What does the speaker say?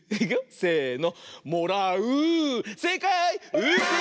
せの。